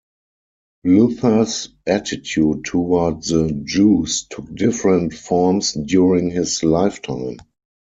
Luther's attitude toward the Jews took different forms during his lifetime.